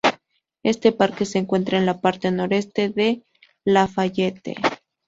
Este parque se encuentra en la parte noreste de Lafayette.